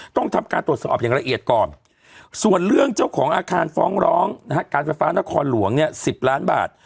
ต้องทำการตรวจสอบอย่างละเอียดก่อนส่วนเรื่องเจ้าของอาคารฟ้องร้องนะฮะการไฟฟ้านครหลวงเนี่ย๑๐ล้านบาท